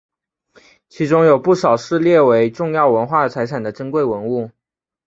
其中有不少是列为重要文化财产的珍贵文物。